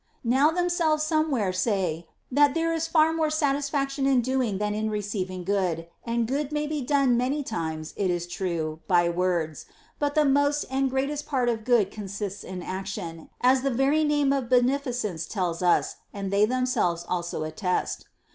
Now themselves somewhere say that there is far more satisfaction in doing than in receiving good ; and good may be done many times, it is true, by words, but the most and greatest part of good consists in action, as the very name of beneficence tells us and they themselves also attest.